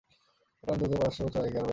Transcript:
এটা অন্তত পাঁচ-শ বছর আগেকার ব্যাপার।